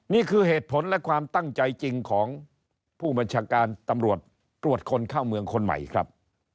นี่คือเหตุผลและความตั้งใจจริงของผู้บัญชาการตำรวจตรวจคนเข้าเมืองคนใหม่ครับ